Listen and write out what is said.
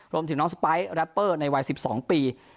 รวมถึงน้องสไปร์สรัปเปอร์ในวัยสิบสองปี